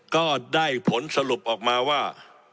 ก็ได้ผลสรุปออกมาว่า